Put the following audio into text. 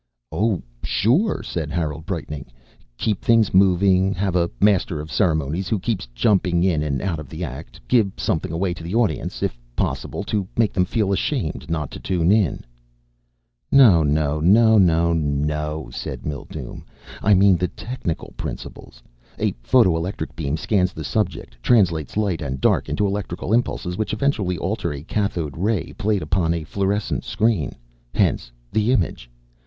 "Oh, sure," said Harold, brightening. "Keep things moving. Have a master of ceremonies who keeps jumping in and out of the act. Give something away to the audience, if possible, to make them feel ashamed not to tune in." "No, no, no, no, no!" said Mildume. "I mean the technical principles. A photo electric beam scans the subject, translates light and dark into electrical impulses, which eventually alter a cathode ray played upon a fluorescent screen. Hence, the image.